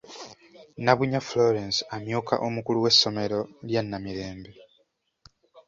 Nabunnya Florence amyuka omukulu w'essomero lya Namirembe.